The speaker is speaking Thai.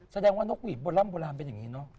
แสดงว่านกหวีดโบร่ำโบราณเป็นอย่างนี้เนอะ